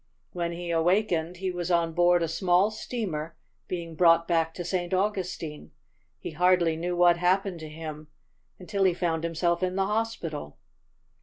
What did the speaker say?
When he awakened he was on board a small steamer, being brought back to St. Augustine. He hardly knew what happened to him, until he found himself in the hospital.